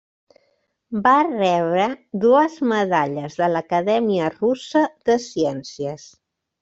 Va rebre dues medalles de l'Acadèmia Russa de Ciències.